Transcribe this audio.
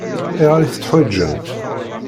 Ayɣer i t-teḥwaǧemt?